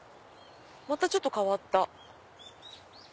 またちょっと変わった。